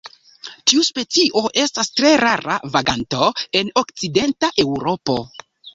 Tiu specio estas tre rara vaganto en Okcidenta Eŭropo.